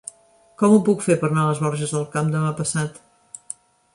Com ho puc fer per anar a les Borges del Camp demà passat?